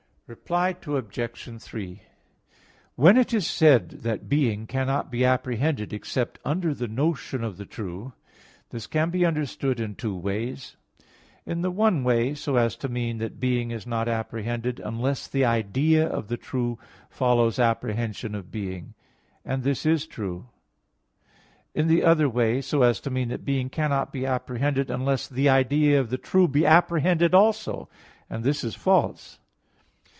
Reply Obj. 3: When it is said that being cannot be apprehended except under the notion of the true, this can be understood in two ways. In the one way so as to mean that being is not apprehended, unless the idea of the true follows apprehension of being; and this is true. In the other way, so as to mean that being cannot be apprehended unless the idea of the true be apprehended also; and this is false.